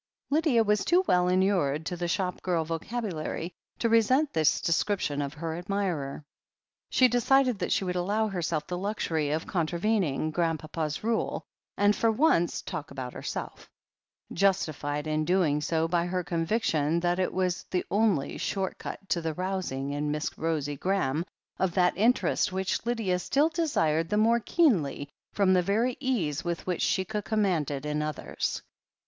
Lydia was too well inured to the shop girl vocabu lary to resent this description of her admirer. She decided that she would allow herself the luxury of contravening Grandpapa's rule, and for once talk about herself, justified in doing so by her conviction that it was the only short cut to the rousing in Miss Rosie Graham of that interest which Lydia still desired the more keenly from the very ease with which she could command it in others.